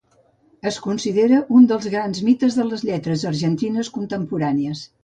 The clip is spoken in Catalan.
Es considera un dels grans mites de les lletres argentines contemporànies.